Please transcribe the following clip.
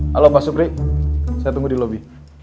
halo pak supri saya tunggu di lobi